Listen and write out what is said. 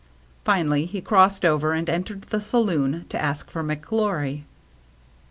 Finally he crossed over and entered the saloon to ask for McGlory.